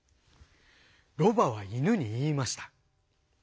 ロバは犬に言いました。